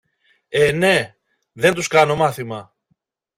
Ε, ναι! δεν τους κάνω μάθημα!